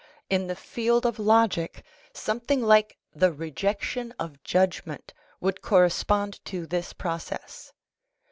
In the field of logic, something like the rejection of judgment would correspond to this process.